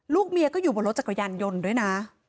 เมียก็อยู่บนรถจักรยานยนต์ด้วยนะ